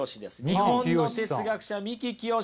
日本の哲学者三木清。